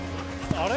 あれ？